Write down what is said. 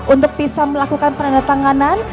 untuk bisa melakukan penandatanganan